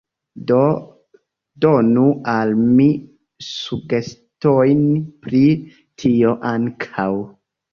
Do donu al mi sugestojn pri tio ankaŭ.